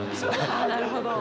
あなるほど。